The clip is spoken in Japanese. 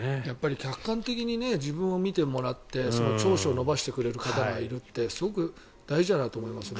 客観的に自分を見てもらって長所を伸ばしてくれる方がいるってすごく大事だなと思いますね。